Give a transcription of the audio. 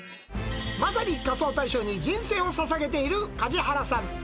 まさに仮装大賞に人生をささげている梶原さん。